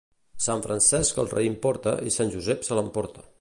Sant Francesc el raïm porta i Sant Josep se l'emporta.